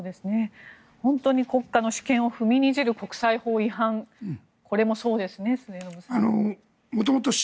本当に国家の主権を踏みにじる国際法違反これもそうですね末延さん。